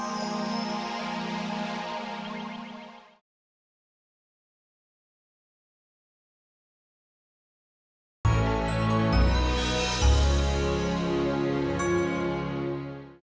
bukan kalian yang memandikannya